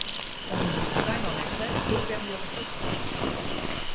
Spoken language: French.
On y distingue en effet deux périodes de crue.